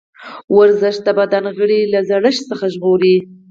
ورزش د بدن غړي له زړښت ژغوري.